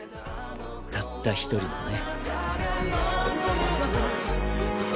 たった一人のね。